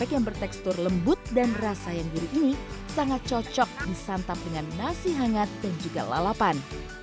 yang bertekstur lembut dan rasa yang diri ini sangat cocok disantap dengan nasi hangat dan juga lalapan